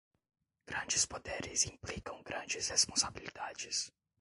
Grandes poderes implicam grandes responsabilidades.